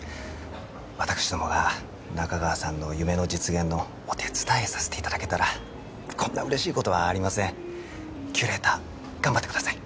私どもが仲川さんの夢の実現のお手伝いさせていただけたらこんな嬉しいことはありませんキュレーター頑張ってください